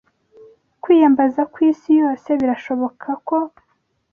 Kwiyambaza kwisi yose birashoboka ko